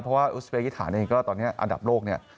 เพราะว่าอุสเปรย์กีธาเนี่ยก็ตอนนี้อันดับโลกเนี่ย